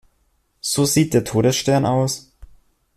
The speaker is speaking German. So sieht der Todesstern aus?